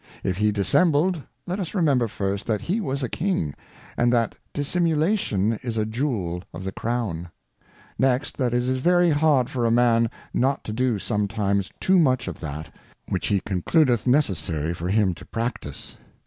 If he dissembled ; let us remember, first, that he was_a King, .^ and that Dissimulation is a Jewel of the Crown ; next, that it i is very hard for a Man not to do sometimes too much of that, which he concludeth necessary for him to practice.